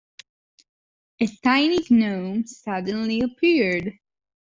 A tiny gnome suddenly appeared.